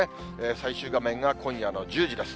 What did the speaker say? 最終画面が今夜の１０時です。